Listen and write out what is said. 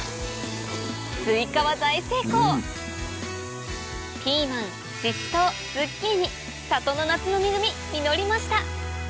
スイカは大成功ピーマンシシトウズッキーニ里の夏の恵み実りました